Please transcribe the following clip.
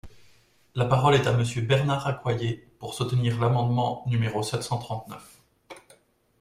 La parole est à Monsieur Bernard Accoyer, pour soutenir l’amendement numéro sept cent trente-neuf.